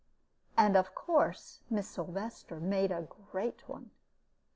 And, of course, Miss Sylvester made a great one.